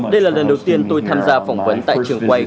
đây là lần đầu tiên tôi tham gia phỏng vấn tại trường quay